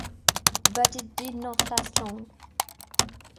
But it did not last long.